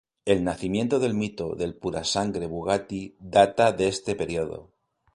El nacimiento del mito del "Purasangre" Bugatti data de este periodo.